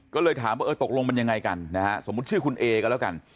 ก็เลยถามว่าเออตกลงมันยังไงกันนะฮะสมมุติชื่อคุณเอกันแล้วกัน